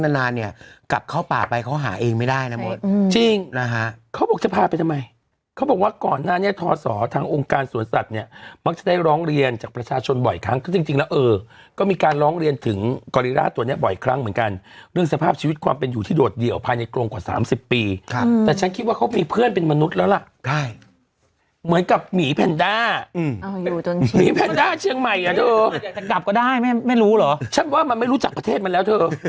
เผือกเราก็เอาไปดูนี่ลิงเผือกเราก็เอาไปดูนี่ลิงเผือกเราก็เอาไปดูนี่ลิงเผือกเราก็เอาไปดูนี่ลิงเผือกเราก็เอาไปดูนี่ลิงเผือกเราก็เอาไปดูนี่ลิงเผือกเราก็เอาไปดูนี่ลิงเผือกเราก็เอาไปดูนี่ลิงเผือกเราก็เอาไปดูนี่ลิงเผือกเราก็เอาไปดูนี่ลิงเผือกเราก็เอาไปดูนี่ลิงเผือกเราก็เอาไปดูนี่ลิงเผือกเร